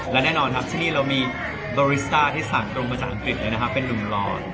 และแน่นอนครับที่นี่เรามีบอริสตาร์ที่สั่งตรงมาจากอังกฤษเลยนะครับเป็นนุ่มหล่อ